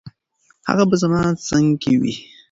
هغه به زما څنګ کې وي.